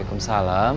aku sudah berhenti